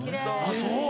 あっそう。